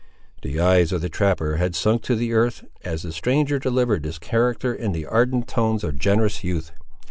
The eyes of the trapper had sunk to the earth, as the stranger delivered this character in the ardent tones of generous youth.